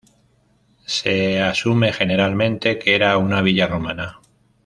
Se asume generalmente que era una villa romana.